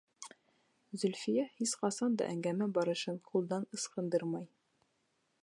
Зөлфиә һис ҡасан да әңгәмә барышын ҡулдан ысҡындырмай.